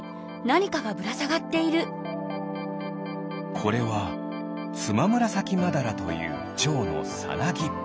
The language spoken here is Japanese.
これはツマムラサキマダラというちょうのさなぎ。